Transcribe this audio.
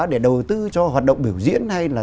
để đầu tư cho hoạt động biểu diễn hay là